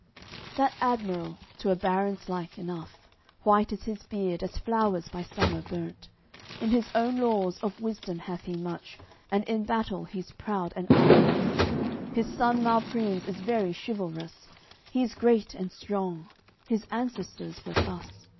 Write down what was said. AOI. CCXXIX That admiral to a baron's like enough, White is his beard as flowers by summer burnt; In his own laws, of wisdom hath he much; And in battle he's proud and arduous. His son Malprimes is very chivalrous, He's great and strong; his ancestors were thus.